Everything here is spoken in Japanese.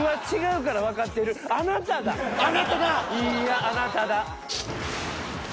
いやあなただ。